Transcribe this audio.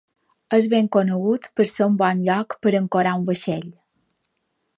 És ben conegut per ser un bon lloc per ancorar un vaixell.